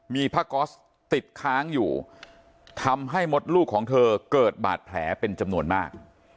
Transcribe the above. มีผ้าก๊อสติดค้างอยู่ทำให้มดลูกของเธอเกิดบาดแผลเป็นจำนวนมาก